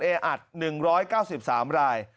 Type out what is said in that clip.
แออัด๑๙๓ราย